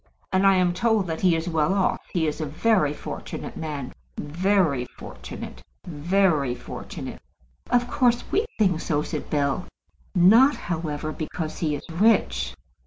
"And I am told that he is well off. He is a very fortunate man, very fortunate, very fortunate." "Of course we think so," said Bell. "Not, however, because he is rich."